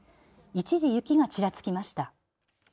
一時、雪がちらつきました。